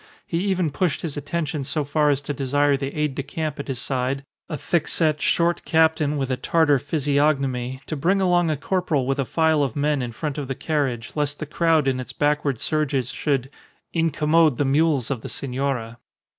He even pushed his attentions so far as to desire the aide de camp at his side (a thick set, short captain with a Tartar physiognomy) to bring along a corporal with a file of men in front of the carriage, lest the crowd in its backward surges should "incommode the mules of the senora."